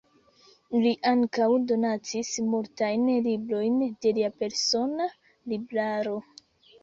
Li ankaŭ donacis multajn librojn de lia persona libraro.